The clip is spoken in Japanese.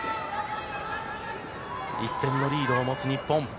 １点のリードを持つ日本。